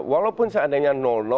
walaupun seandainya